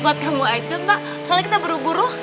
buat kamu aja pak soalnya kita buru buru